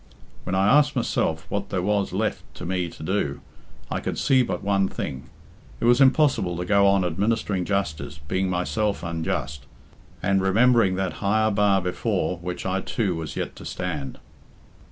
"When I asked myself what there was left to me to do, I could see but one thing. It was impossible to go on administering justice, being myself unjust, and remembering that higher bar before which I too was yet to stand.